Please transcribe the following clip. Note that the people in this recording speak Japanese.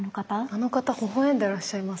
あの方ほほ笑んでらっしゃいます！